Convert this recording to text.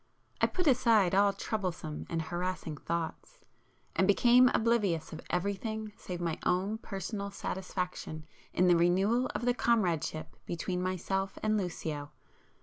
I put aside all troublesome and harassing thoughts, and became oblivious of everything save my own personal satisfaction in the renewal of the comradeship between myself and Lucio.